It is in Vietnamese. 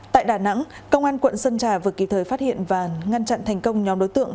tại đà nẵng công an quận sơn trà vừa kịp thời phát hiện và ngăn chặn thành công nhóm đối tượng